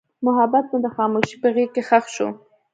محبت مې د خاموشۍ په غېږ کې ښخ شو.